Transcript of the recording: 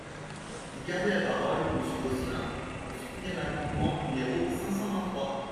Vous gardez la parole, monsieur Gosselin, pour soutenir l’amendement numéro cinq cent vingt-trois.